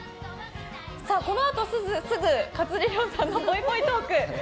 このあとすぐ勝地涼さんのぽいぽいトーク。